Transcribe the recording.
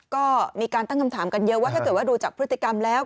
ก็มีการตั้งคำถามกันเยอะว่าถ้าเกิดว่าดูจากพฤติกรรมแล้ว